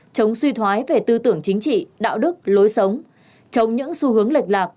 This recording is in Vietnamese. chống suy thoái về tư tưởng chính trị đạo đức lối sống chống những xu hướng lệch lạc